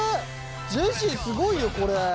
ジェシーすごいよこれ。